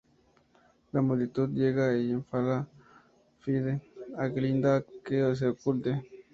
La multitud llega y Elphaba pide a Glinda que se oculte.